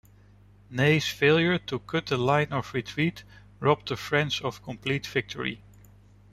Ney's failure to cut the line of retreat robbed the French of complete victory.